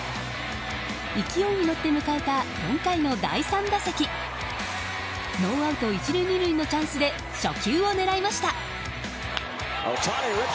勢いに乗って迎えた４回の第３打席ノーアウト１塁２塁のチャンスで初球を狙いました。